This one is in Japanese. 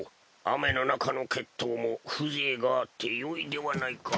雨の中の決闘も風情があってよいではないか。